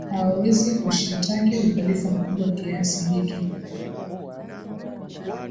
hawawezi kushitaki uhalifu mkubwa kiasi hiki